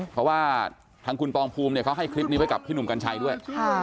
เพราะว่าทางคุณปองภูมิเนี่ยเขาให้คลิปนี้ไว้กับพี่หนุ่มกัญชัยด้วย